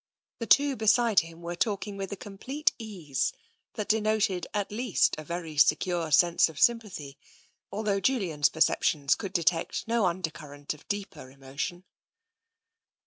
The two beside him were talking with a complete ease that denoted at least a very secure sense of sympathy, although Julian's io8 TENSION perceptions could detect no undercurrent of deeper emotion.